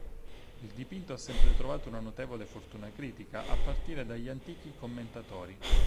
Il dipinto ha sempre trovato una notevole fortuna critica, a partire dagli antichi commentatori.